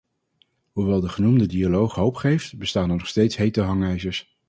Hoewel de genoemde dialoog hoop geeft, bestaan er nog steeds hete hangijzers.